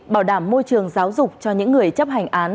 bảo đảm môi trường giáo dục cho những người chấp hành án